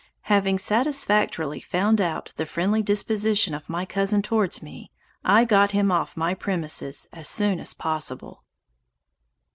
Having satisfactorily found out the friendly disposition of my cousin towards me, I got him off my premises as soon as possible.